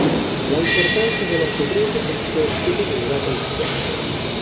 La importancia de los Decretos ha sido objeto de debate histórico.